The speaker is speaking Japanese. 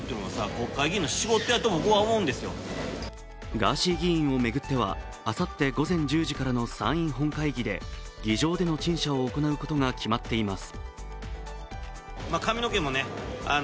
ガーシー議員を巡っては、あさって午前１０時からの参院本会議で議場での陳謝を行うことが決まっています。